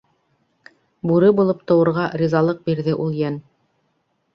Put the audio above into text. Бүре булып тыуырға ризалыҡ бирҙе ул йән...